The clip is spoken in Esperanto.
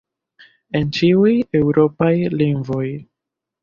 En ĉiuj eŭropaj lingvoj.